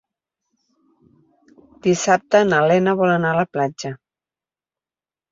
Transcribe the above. Dissabte na Lena vol anar a la platja.